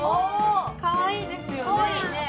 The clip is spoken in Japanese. かわいいですよね。